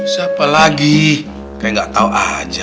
siapa lagi kayak nggak tahu aja